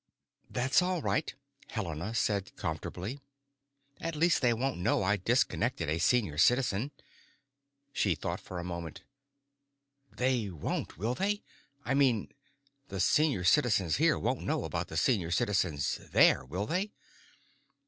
"That's all right," Helena said comfortably. "At least they won't know I disconnected a Senior Citizen." She thought a moment. "They won't, will they? I mean, the Senior Citizens here won't know about the Senior Citizens there, will they?"